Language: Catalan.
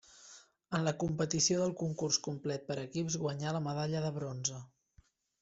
En la competició del concurs complet per equips guanyà la medalla de bronze.